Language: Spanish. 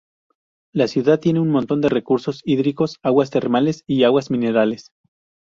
La ciudad tiene un montón de recursos hídricos, aguas termales y aguas minerales.